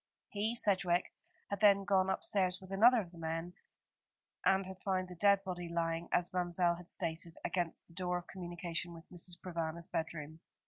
He, Sedgewick, had then gone upstairs with another of the men, and had found the dead body lying, as Ma'mselle had stated, against the door of communication with Mrs. Provana's bedroom.